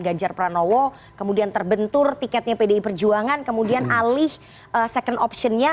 ganjar pranowo kemudian terbentur tiketnya pdi perjuangan kemudian alih second optionnya